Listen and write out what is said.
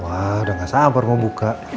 wah udah gak sabar mau buka